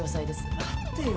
待ってよ。